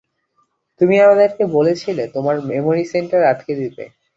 তুমি আমাদেরকে বলেছিলে তোমার মেমোরি সেন্টার আটকে দিতে।